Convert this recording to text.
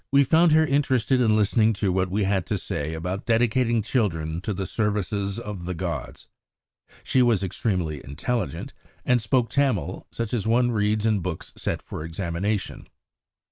We found her interested in listening to what we had to say about dedicating children to the service of the gods. She was extremely intelligent, and spoke Tamil such as one reads in books set for examination.